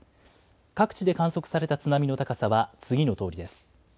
各地で観測された津波の高さは次のとおりです。